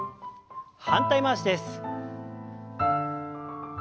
反対回しです。